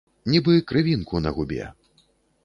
Нібы крывінку на губе.